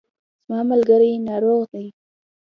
زما ملګری ناروغ دی